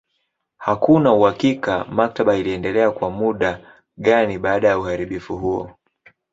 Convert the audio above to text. Hakuna uhakika maktaba iliendelea kwa muda gani baada ya uharibifu huo.